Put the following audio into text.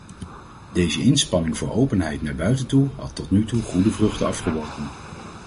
Deze inspanning voor openheid naar buiten toe had tot nu toe goede vruchten afgeworpen.